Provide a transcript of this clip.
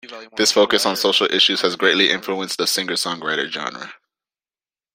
This focus on social issues has greatly influenced the singer-songwriter genre.